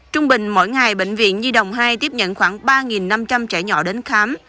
trung bình mỗi ngày bệnh viện nhi đồng hai tiếp nhận khoảng ba năm trăm linh trẻ nhỏ đến khám